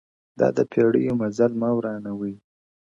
دا د پېړیو مزل مه ورانوی،